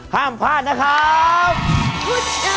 ห้ามพลาดนะครับ